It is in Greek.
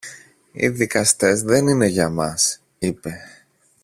Οι δικαστές δεν είναι για μας, είπε.